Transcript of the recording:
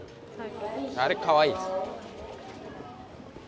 あれかわいいです。